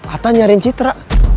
ata nyariin citra